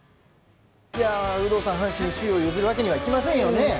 有働さん、阪神首位を譲るわけにはいきませんよね。